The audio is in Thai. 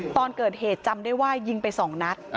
ตอนเกิดเหตุจำได้ว่ายิงไป๒นัด